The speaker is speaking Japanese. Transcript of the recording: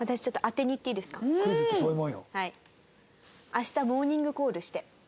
明日モーニングコールして。